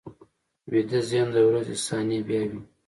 ویده ذهن د ورځې صحنې بیا ویني